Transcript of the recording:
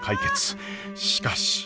しかし。